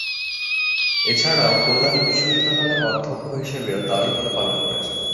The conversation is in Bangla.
এছাড়াও কল্যাণী বিশ্ববিদ্যালয়ের অধ্যক্ষ হিসাবেও দায়িত্ব পালন করেছেন।